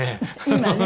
今ね。